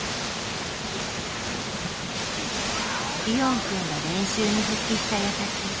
リオンくんが練習に復帰したやさき。